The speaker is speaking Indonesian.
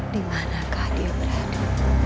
dimanakah dia berada